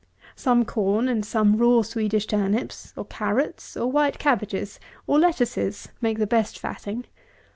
Some corn and some raw Swedish turnips, or carrots, or white cabbages, or lettuces, make the best fatting.